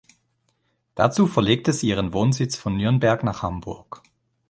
Dazu verlegte sie ihren Wohnsitz von Nürnberg nach Hamburg.